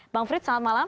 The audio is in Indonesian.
bang frits selamat malam